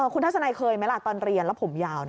คุณทัศนัยเคยไหมล่ะตอนเรียนแล้วผมยาวนะ